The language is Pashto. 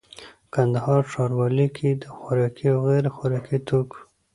کندهار ښاروالي کي د خوراکي او غیري خوراکي توکو